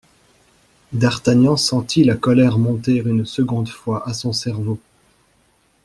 D'Artagnan sentit la colère monter une seconde fois à son cerveau.